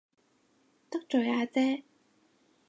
得罪阿姐